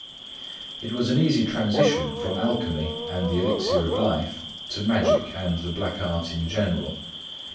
It was an easy transition from alchemy and the elixir of life to magic and the black art in general.